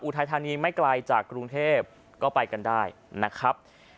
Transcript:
ไทยธานีไม่ไกลจากกรุงเทพก็ไปกันได้นะครับ